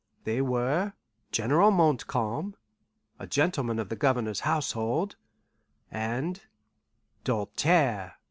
They were General Montcalm, a gentleman of the Governor's household, and Doltaire!